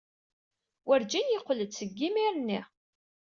Werjin yeqqel-d seg yimir-nni.